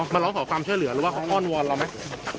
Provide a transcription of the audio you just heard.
มาร้องขอความช่วยเหลือหรือว่าเขาอ้อนวอนเราไหม